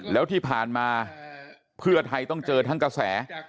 แล้วที่ผ่านมาเพื่อไทยต้องเจอทั้งกระแส